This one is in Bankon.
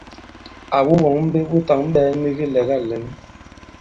Àwu wɔ̌ŋ mbe wu tǎŋ ɓɛ̄ɛ nik ilɛ̀gâ lɛ̀n i?